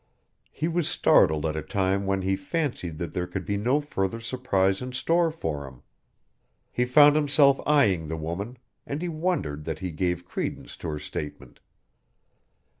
He was startled at a time when he fancied that there could be no further surprise in store for him. He found himself eyeing the woman and he wondered that he gave credence to her statement.